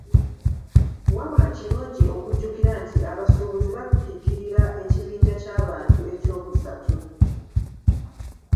Wabula kirungi okujjukira nti abasuubuzi bakiikirira ekibinja ky’abantu eky’okusatu.